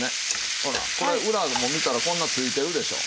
ほらこれ裏も見たらこんなついてるでしょう。